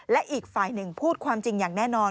และอีกฝ่ายหนึ่งพูดความจริงอย่างแน่นอน